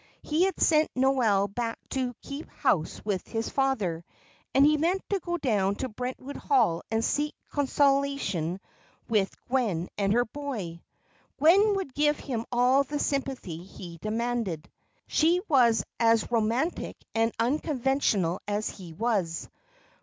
He had sent Noel back to keep house with his father, and he meant to go down to Brentwood Hall and seek consolation with Gwen and her boy. Gwen would give him all the sympathy he demanded; she was as romantic and unconventional as he was.